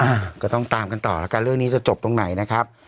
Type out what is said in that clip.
อ่าก็ต้องตามกันต่อแล้วกันเรื่องนี้จะจบตรงไหนนะครับ